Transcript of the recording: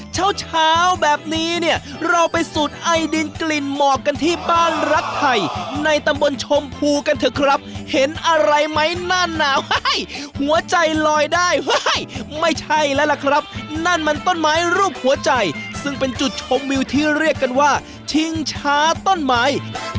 เช้าเช้าแบบนี้เนี่ยเราไปสูตรไอดินกลิ่นหมอกกันที่บ้านรักไทยในตำบลชมพูกันเถอะครับเห็นอะไรไหมหน้าหนาวหัวใจลอยได้เฮ้ยไม่ใช่แล้วล่ะครับนั่นมันต้นไม้รูปหัวใจซึ่งเป็นจุดชมวิวที่เรียกกันว่าชิงช้าต้นไม้